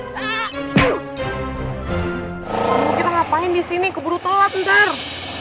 kamu mau ngapain disini keburu tolat bentar